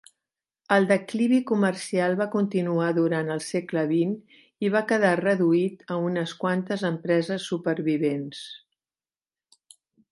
El declivi comercial va continuar durant el segle XX i va quedar reduït a unes quantes empreses supervivents.